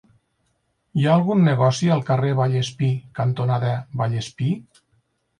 Hi ha algun negoci al carrer Vallespir cantonada Vallespir?